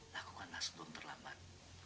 lakukanlah sebelum terlambat